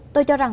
tôi cho rằng